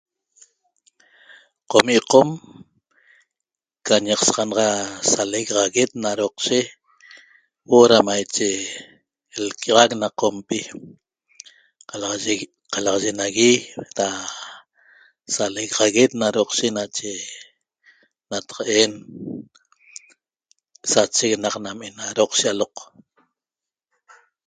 Qomi' Qom can ñaq saxanaxa salegaxaguet na doqshe huo'o da maiche lquia'axac na Qompi qalaxaye nagui da salegaxaguet na doqshe nache nataq'en sacheguenaq nam ena doqshe aloq